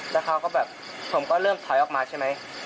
แล้วเขาก็แบบผมก็เริ่มถอยออกมาใช่ไหม